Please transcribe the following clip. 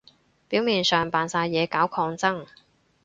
表面上扮晒嘢搞抗爭